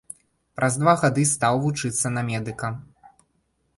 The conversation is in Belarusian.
Праз два гады стаў вучыцца на медыка.